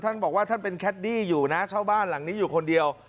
ท่านบอกว่าท่านเป็นแคดดี้อยู่นะเช่าบ้านหลังนี้อยู่คนเดียว